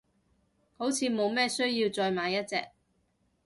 好似冇咩需要再買一隻，